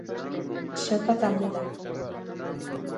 Shota Tamura